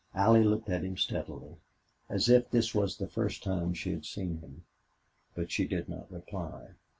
Allie looked at him steadily, as if this was the first time she had seen him, but she did not reply.